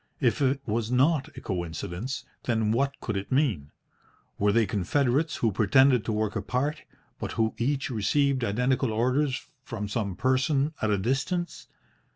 If it was not a coincidence, then what could it mean? Were they confederates who pretended to work apart, but who each received identical orders from some person at a distance?